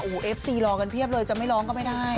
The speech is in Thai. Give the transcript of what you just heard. โอ้โหเอฟซีรอกันเพียบเลยจะไม่ร้องก็ไม่ได้